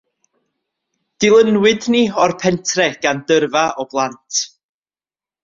Dilynwyd ni o'r pentre gan dyrfa o blant.